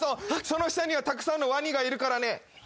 その下にはたくさんのワニがいるからね。